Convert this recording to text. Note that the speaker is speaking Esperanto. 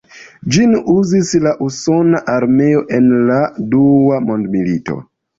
Ĝin uzis la usona armeo en la dua mondmilito.